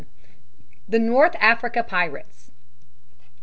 The North Africa Pirates.